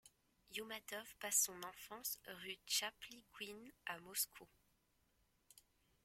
Youmatov passe son enfane rue Tchaplyguine à Moscou.